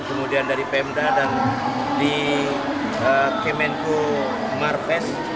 kemudian dari pemda dan di kemenko marves